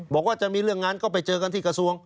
บอกว่าจะมีเรื่องงานก็ไปเจอกันที่กระทรวง